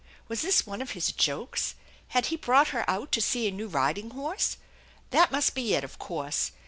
Was this one of his jokes? Had he brought her out to see a new riding horse ? That must be it, of course.